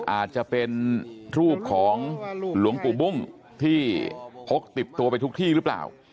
อาจจะเป็นรูปของหลวงปู่บุ้มที่พกติดตัวไปทุกที่หรือเปล่า